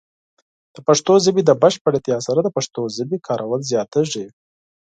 د پښتو ژبې د بشپړتیا سره، د پښتو ژبې کارول زیاتېږي.